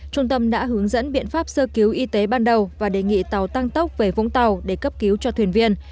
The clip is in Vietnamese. trung tâm đã hướng dẫn biện pháp sơ cứu y tế ban đầu và đề nghị tàu tăng tốc về vũng tàu để cấp cứu cho thuyền viên